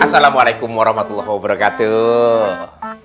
assalamualaikum warahmatullahi wabarakatuh